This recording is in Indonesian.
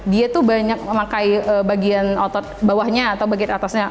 dia tuh banyak memakai bagian otot bawahnya atau bagian atasnya